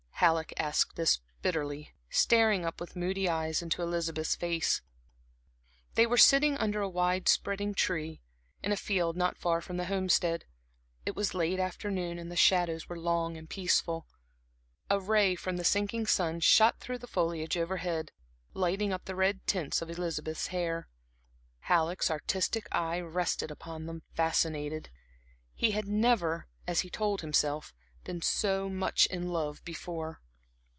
Halleck asked this bitterly, staring up with moody eyes into Elizabeth's face. They were sitting under a wide spreading tree, in a field not far from the Homestead. It was late afternoon and the shadows were long and peaceful. A ray from the sinking sun shot through the foliage overhead lighting up the red tints of Elizabeth's hair. Halleck's artistic eye rested upon them fascinated. He had never, as he told himself, been so much in love before.